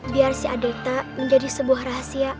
biar si adeta menjadi sebuah rahasia